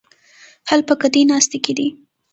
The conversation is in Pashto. حل په ګډې ناستې کې دی.